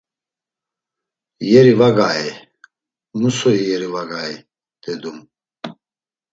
Yeri va gaey, mu soyi yeri va gaey, dedum.